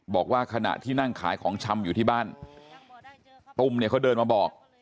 บอกว่าขณะที่นั่งขายของชำอยู่ที่บ้านตุ้มเนี่ยเขาเดินมาบอก